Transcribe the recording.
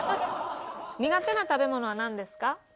苦手な食べ物はなんですか？